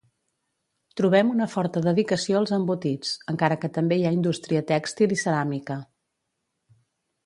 Trobem una forta dedicació als embotits, encara que també hi ha indústria tèxtil i ceràmica.